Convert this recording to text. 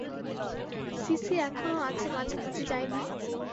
CC এখনো আছে মাঝামাঝি জায়গায়।